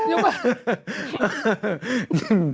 อยู่มา